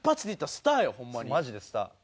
マジでスター。